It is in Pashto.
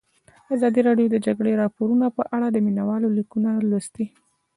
ازادي راډیو د د جګړې راپورونه په اړه د مینه والو لیکونه لوستي.